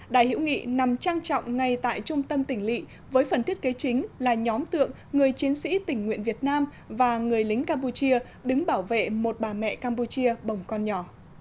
đài hữu nghị nằm trang trọng ngay tại trung tâm tỉnh lị với phần thiết kế chính là nhóm tượng người chiến sĩ tình nguyện việt nam và người lính campuchia đứng bảo vệ một bà mẹ campuchia bồng con nhỏ